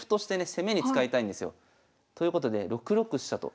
攻めに使いたいんですよ。ということで６六飛車と。